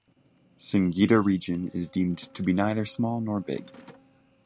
Singida region is deemed to be neither small nor big.